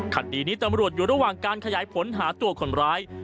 คดีนี้ตำรวจอยู่ระหว่างการขยายผลหาตัวคนร้าย